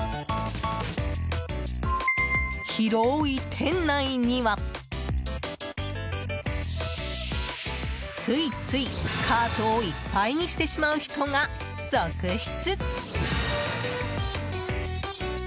広い店内には、ついついカートをいっぱいにしてしまう人が続出！